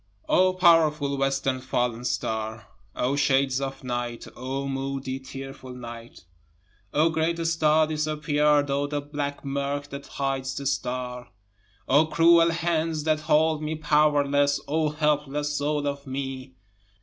2 O powerful western fallen star! O shades of night O moody, tearful night! O great star disappear'd O the black murk that hides the star! O cruel hands that hold me powerless O helpless soul of me!